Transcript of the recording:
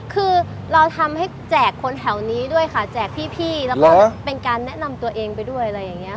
คือเราทำให้แจกคนแถวนี้ด้วยค่ะแจกพี่แล้วก็เป็นการแนะนำตัวเองไปด้วยอะไรอย่างนี้ค่ะ